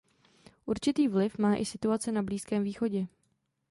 Určitý vliv má i situace na Blízkém východě.